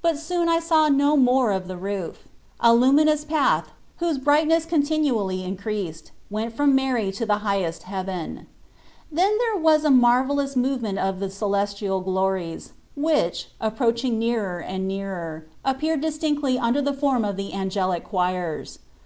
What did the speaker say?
But soon I saw no more of the roof; a luminous path, whose bright ness continually increased, went from Mary to the highest heaven. Then was there a marvellous movement of the celestial glories, which, approaching nearer and nearer, appeared distinctly under the form of the angelic choirs.